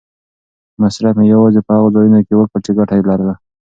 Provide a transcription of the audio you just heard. مصرف مې یوازې په هغو ځایونو کې وکړ چې ګټه یې لرله.